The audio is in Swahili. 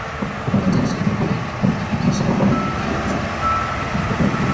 Watashirikiana kufanikisha dhana hii ya uchumi wa buluu